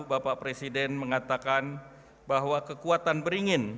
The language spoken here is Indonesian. bapak presiden mengatakan bahwa kekuatan beringin